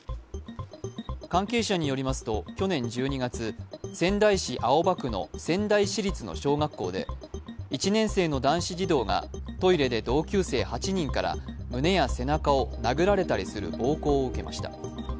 関係者によりますと去年１２月、仙台市青葉区の仙台市立の小学校で１年生の男子児童がトイレで同級生８人から胸や背中を殴られたりする暴行を受けました。